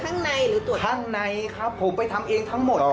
ข้างในหรือตรวจข้างในครับผมไปทำเองทั้งหมด